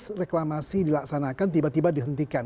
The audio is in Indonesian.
tidak ada reklamasi dilaksanakan tiba tiba dihentikan